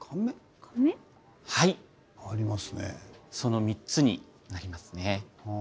その３つになりますね。